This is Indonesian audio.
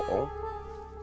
yang bakar sampah itu fadin